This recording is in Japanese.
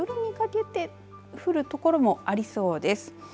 夜にかけて降るところもありそうです。